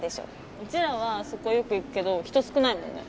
うちらはあそこよく行くけど人少ないもんね。